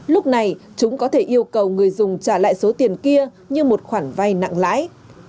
lúc này chúng có thể yêu cầu người dùng trả lại số tiền kia như một khoản vay nặng lãi